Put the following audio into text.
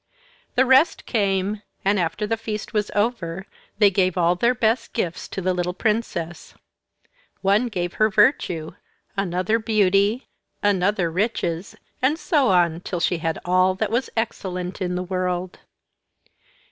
The rest came, and after the feast was over they gave all their best gifts to the little princess; one gave her virtue, another beauty, another riches, and so on till she had all that was excellent in the world.